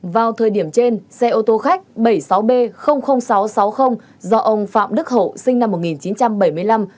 vào thời điểm trên xe ô tô khách bảy mươi sáu b sáu trăm sáu mươi do ông phạm đức hậu sinh năm một nghìn chín trăm bảy mươi năm